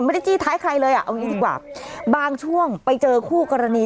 จี้ท้ายใครเลยอ่ะเอางี้ดีกว่าบางช่วงไปเจอคู่กรณี